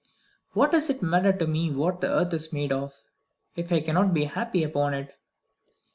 What does it matter to me what the earth is made of, if I can but be happy upon it?